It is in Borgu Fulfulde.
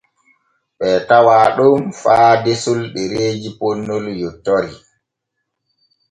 Ɓee tawaa ɗon faa desol ɗereeji ponnol yontori.